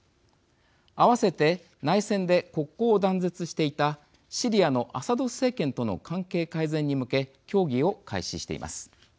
あわせて内戦で国交を断絶していたシリアのアサド政権との関係改善に向け協議を開始しています。